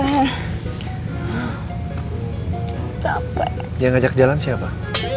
jangan ngajak jalan sih ya pak